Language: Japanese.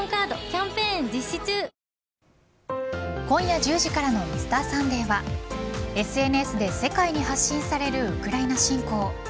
今夜１０時からの「Ｍｒ．サンデー」はＳＮＳで世界に発信されるウクライナ侵攻。